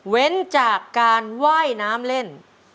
เว้นจากการว่ายน้ำเล่น